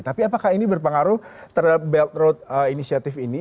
tapi apakah ini berpengaruh terhadap belt road initiative ini